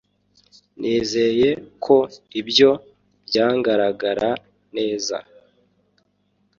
Nizeye ko ibyo byangaragara neza